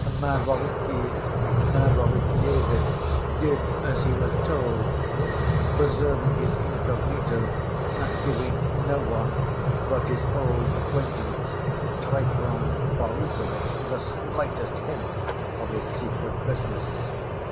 Mavriky Mavrikyevitch did as he was told, preserving his incognito, and giving no one but his old acquaintance, Trifon Borissovitch, the slightest hint of his secret business.